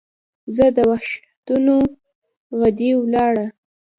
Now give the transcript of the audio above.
د وحشتونو ، غدۍ وَلاړه